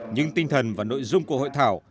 nhưng tinh thần và nội dung của hội thảo